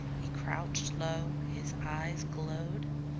He crouched low; his eyes glowed.